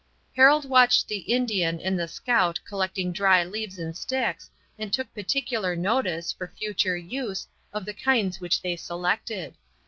Harold watched the Indian and the scout collecting dry leaves and sticks, and took particular notice, for future use, of the kinds which they selected.